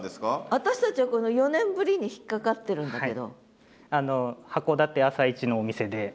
私たちはこの「四年振り」に引っ掛かってるんだけど。